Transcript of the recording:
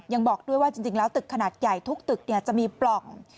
ยังบอกด้วยว่าจริงแล้วตึกขนาดใหญ่ทุกตึกจะมีปล่อง